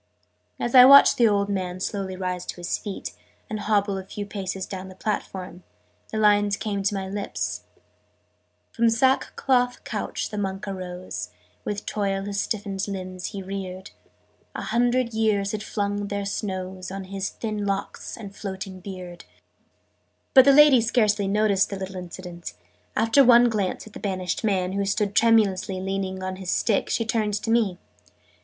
As I watched the old man slowly rise to his feet, and hobble a few paces down the platform, the lines came to my lips: "From sackcloth couch the Monk arose, With toil his stiffen'd limbs he rear'd; A hundred years had flung their snows On his thin locks and floating beard." {Image...'Come, you be off!'} But the lady scarcely noticed the little incident. After one glance at the 'banished man,' who stood tremulously leaning on his stick, she turned to me.